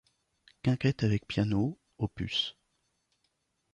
Quintette avec piano op.